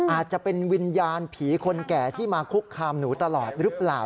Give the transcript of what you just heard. อาจจะเป็นวิญญาณผีคนแก่ที่มาคุกคามหนูตลอดหรือเปล่า